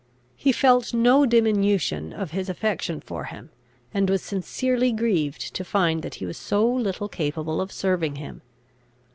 He felt no diminution of his affection for him, and was sincerely grieved to find that he was so little capable of serving him.